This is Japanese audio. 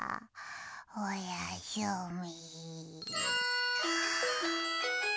おやすみ。